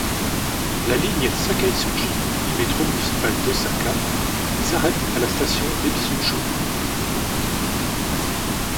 La ligne Sakaisuji du métro Municipal d'Osaka s’arrête à la station Ebisuchō.